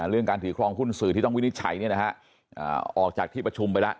เรื่องการถือครองหุ้นสื่อที่ต้องวินิจฉัยออกจากที่ประชุมไปแล้ว